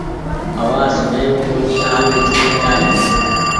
آواز سوڻيم ڪونيٚ آ رهي ڇي تآري